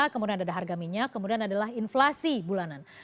kemudian ada harga minyak kemudian adalah inflasi bulanan